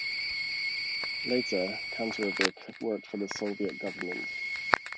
Later, Kantorovich worked for the Soviet government.